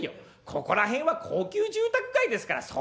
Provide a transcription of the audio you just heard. ここら辺は高級住宅街ですからそんな安い所